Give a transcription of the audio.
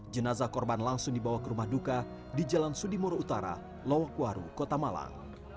jenazah korban langsung dibawa ke rumah duka di jalan sudimoro utara lowokwaru kota malang